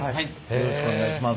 よろしくお願いします。